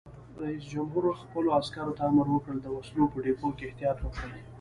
رئیس جمهور خپلو عسکرو ته امر وکړ؛ د وسلو په ډیپو کې احتیاط وکړئ!